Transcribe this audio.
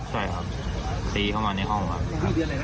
ใช่ครับตีเข้ามาในห้องครับ